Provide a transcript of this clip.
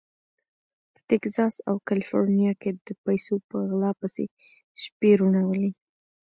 په تګزاس او کالیفورنیا کې د پیسو په غلا پسې شپې روڼولې.